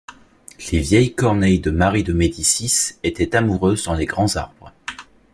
Les vieilles corneilles de Marie de Médicis étaient amoureuses dans les grands arbres.